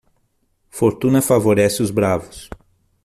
Fortuna favorece os Bravos.